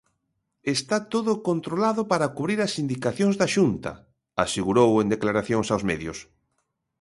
"Está todo controlado para cubrir as indicacións da Xunta", asegurou, en declaracións aos medios.